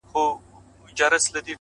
اوس چي مخ هرې خوا ته اړوم الله وينم”